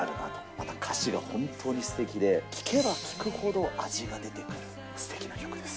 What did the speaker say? また歌詞が本当にすてきで、聴けば聴くほど味が出てくるすてきな曲です。